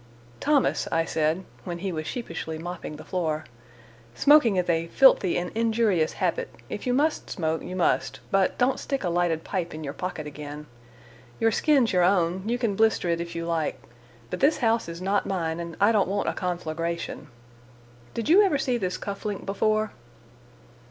"Thomas," I said, when he was sheepishly mopping the floor, "smoking is a filthy and injurious habit. If you must smoke, you must; but don't stick a lighted pipe in your pocket again. Your skin's your own: you can blister it if you like. But this house is not mine, and I don't want a conflagration. Did you ever see this cuff link before?"